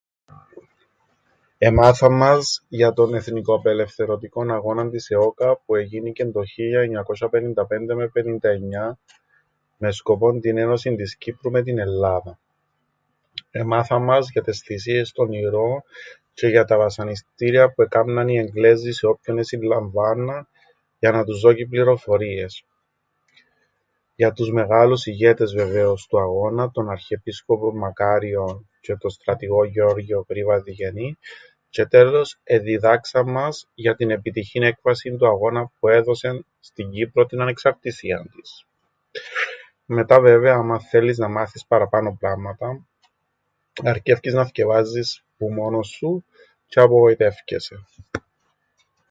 Εμάθαν μας για τον εθνικοαπελευθερωτικόν αγώναν της ΕΟΚΑ που εγίνηκεν το 1955 με 59 με σκοπόν την ένωσην της Κύπρου με την Ελλάδαν. Εμάθαν μας για τες θυσίες των ηρώων τζ̆αι για τα βασανιστήρια που εκάμναν οι Εγγλέζοι σε όποιον εσυλλαμβάνναν για να τους δώκει πληροφορίες. Για τους μεγάλους ηγέτες βεβαίως του αγώνα, τον Αρχιεπίσκοπον Μακάριον τζ̆αι τον στρατηγόν Γεώργιον Γρίβαν Διγενήν, τζ̆αι στο τέλος εδιδάξαν μας για την επιτυχήν έκβασην του αγώνα που έδωσεν στην Κύπρον την ανεξαρτησίαν της. Μετά βέβαια άμαν θέλεις να μάθεις παραπάνω πράματα αρκεύκεις να θκιεβάζεις που μόνος σου τζ̆αι απογοητεύκεσαι.